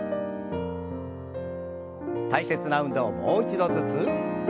大切な運動をもう一度ずつ。